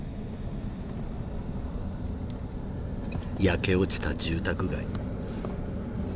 焼け落ちた住宅街。